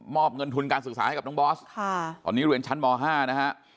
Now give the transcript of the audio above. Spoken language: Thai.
อบเงินทุนการศึกษาให้กับน้องบอสตอนนี้เรียนชั้นม๕นะฮะ